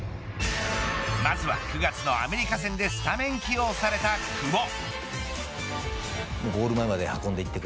まずは９月のアメリカ戦でスタメン起用された久保。